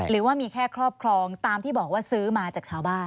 หรือว่ามีแค่ครอบครองตามที่บอกว่าซื้อมาจากชาวบ้าน